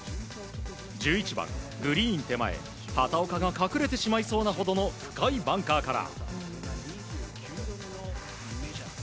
１１番、グリーン手前畑岡が隠れてしまいそうなほどの深いバンカーから。